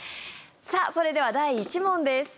それでは、第１問です。